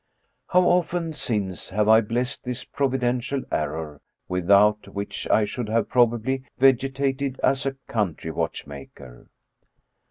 How often since have I blessed this providential error, without which I should have probably vegetated as a coun try watchmaker